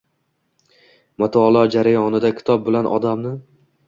Mutolaa jarayonida kitob bilan odamni